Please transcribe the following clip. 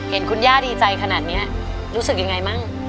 เห็นคุณย่าดีใจขนาดนี้รู้สึกยังไงมั่ง